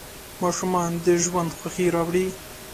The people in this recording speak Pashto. ماشومان د ژوند خوښي راوړي.